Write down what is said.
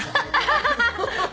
ハハハ！